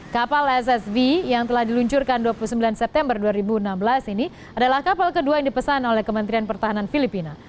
kapal ssv yang telah diluncurkan dua puluh sembilan september dua ribu enam belas ini adalah kapal kedua yang dipesan oleh kementerian pertahanan filipina